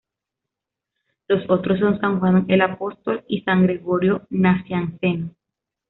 Los otros son san Juan el Apóstol y san Gregorio Nacianceno.